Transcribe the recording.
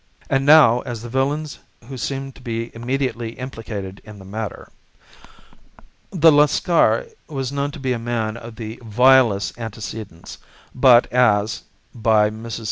"And now as to the villains who seemed to be immediately implicated in the matter. The Lascar was known to be a man of the vilest antecedents, but as, by Mrs. St.